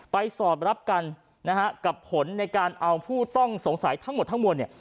สอดรับกันนะฮะกับผลในการเอาผู้ต้องสงสัยทั้งหมดทั้งมวลเนี่ย